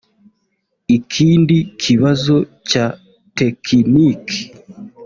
ikindi kibazo cya tekiniki